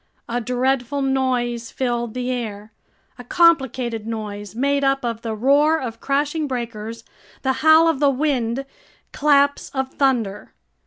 A dreadful noise filled the air, a complicated noise made up of the roar of crashing breakers, the howl of the wind, claps of thunder.